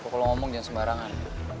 kok lu ngomong jangan sembarangan